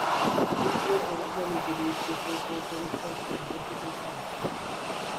These were originally believed to portray traditional and biblical scenes.